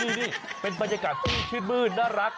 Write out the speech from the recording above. นี่เป็นบรรยากาศที่ชื่นมื้นน่ารัก